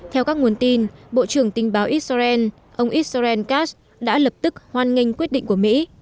theo các nguồn tin bộ trưởng tình báo israel ông israel kash đã lập tức hoan nghênh quyết định của mỹ